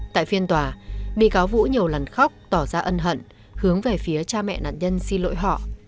tại phiên tòa bị cáo vũ nhiều lần khóc tỏ ra ân hận hướng về phía cha mẹ nạn nhân xin lỗi họ